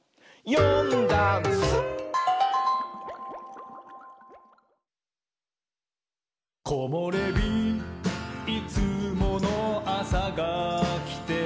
「よんだんす」「こもれびいつものあさがきて」